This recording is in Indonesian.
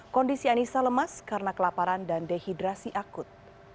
kondisi anissa lemas karena kelaparan dan dehidrasi akut